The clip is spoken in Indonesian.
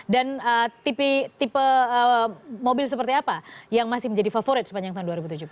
dan tipe mobil seperti apa yang masih menjadi favorit sepanjang tahun dua ribu tujuh belas